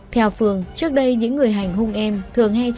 theo phương trước đây những người hành hung em thường hay chọc gạo